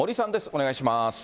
お願いします。